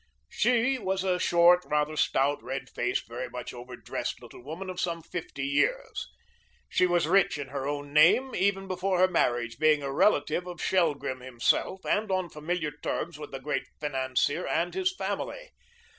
She was a short, rather stout, red faced, very much over dressed little woman of some fifty years. She was rich in her own name, even before her marriage, being a relative of Shelgrim himself and on familiar terms with the great financier and his family.